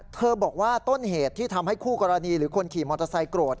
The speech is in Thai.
บอกว่าต้นเหตุที่ทำให้คู่กรณีหรือคนขี่มอเตอร์ไซค์โกรธ